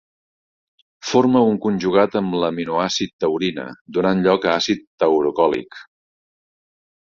Forma un conjugat amb l'aminoàcid taurina, donant lloc a àcid taurocòlic.